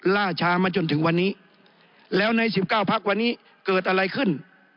ล่าชามาจนถึงวันนี้แล้วใน๑๙พักวันนี้เกิดอะไรขึ้น